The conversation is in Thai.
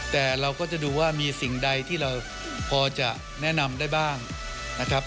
แต่เราก็จะดูว่ามีสิ่งใดที่เราพอจะแนะนำได้บ้างนะครับ